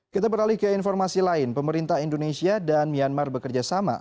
kita beralih ke informasi lain pemerintah indonesia dan myanmar bekerja sama